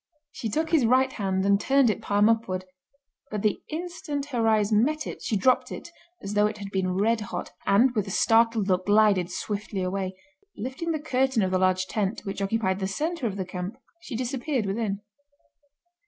She took his right hand and turned it palm upward; but the instant her eyes met it she dropped it as though it had been red hot, and, with a startled look, glided swiftly away. Lifting the curtain of the large tent, which occupied the centre of the camp, she disappeared within.